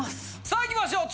さあ行きましょう！